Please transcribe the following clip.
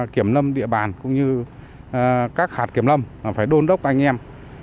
kiểm lâm địa bàn cũng như các hạt kiểm lâm phải đôn đốc anh em